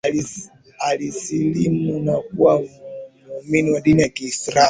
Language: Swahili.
alisilimu na kuwa muumini wa dini ya kiislamu